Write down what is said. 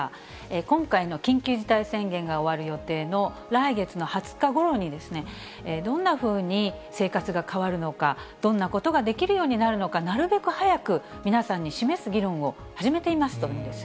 今回の緊急事態宣言が終わる予定の来月の２０日ごろに、どんなふうに生活が変わるのか、どんなことができるようになるのか、なるべく早く皆さんに示す議論を始めていますというんです。